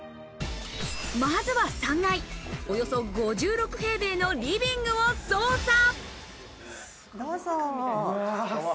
まずは３階、およそ５６平米のリビングを捜査。